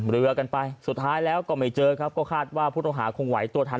เรือกันไปสุดท้ายแล้วก็ไม่เจอครับก็คาดว่าผู้ต้องหาคงไหวตัวทัน